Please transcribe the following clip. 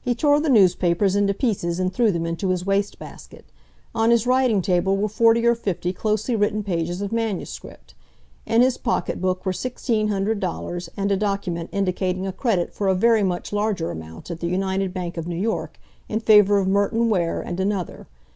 He tore the newspapers into pieces and threw them into his waste basket. On his writing table were forty or fifty closely written pages of manuscript. In his pocketbook were sixteen hundred dollars, and a document indicating a credit for a very much larger amount at the United Bank of New York, in favor of Merton Ware and another.